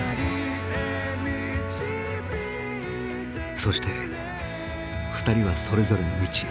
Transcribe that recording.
そして２人はそれぞれの道へ。